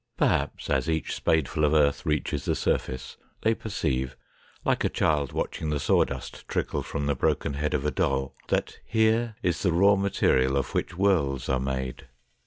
Perhaps, as each spadeful of earth reaches the surface, they perceive, like a child watching the sawdust trickle from the broken head of a doll, that here is the raw material of which worlds are made.